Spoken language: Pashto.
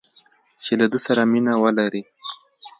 چې له ده سره مینه ولري